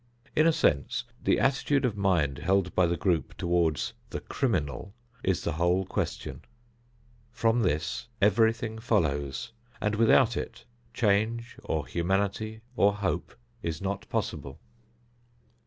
In a sense, the attitude of mind held by the group toward the "criminal" is the whole question. From this everything follows, and without it change or humanity or hope is not possible.